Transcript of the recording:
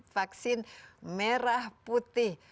vaksin merah putih